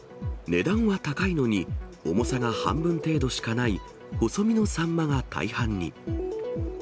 値段は高いのに、重さが半分程度しかない細身のサンマが大半に。